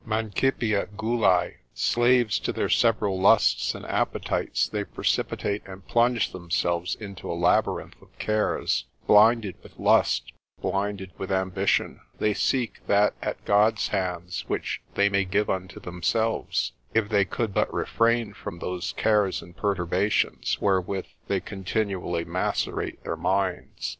Mancipia gulae, slaves to their several lusts and appetite, they precipitate and plunge themselves into a labyrinth of cares, blinded with lust, blinded with ambition; They seek that at God's hands which they may give unto themselves, if they could but refrain from those cares and perturbations, wherewith they continually macerate their minds.